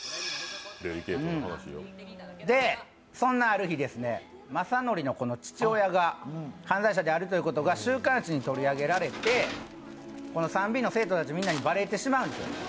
で、そんなある日、政則の父親が犯罪者であることが週刊誌に取り上げられて３−Ｂの生徒たちみんなにバレてしまうんですよ。